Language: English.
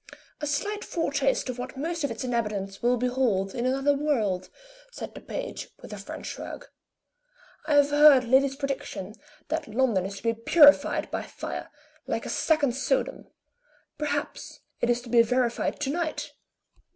"A slight foretaste of what most of its inhabitants will behold in another world," said the page, with a French shrug. "I have heard Lilly's prediction that London is to be purified by fire, like a second Sodom; perhaps it is to be verified to night."